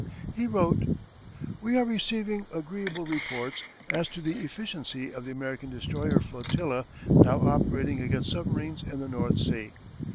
He wrote: We are receiving agreeable reports as to the efficiency of the American destroyer flotilla now operating against submarines in the North Sea.